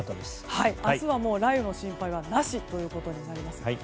明日はもう雷雨の心配はなしということになります。